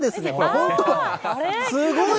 本当、すごい。